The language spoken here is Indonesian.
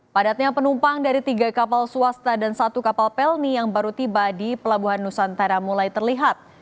padatnya penumpang dari tiga kapal swasta dan satu kapal pelni yang baru tiba di pelabuhan nusantara mulai terlihat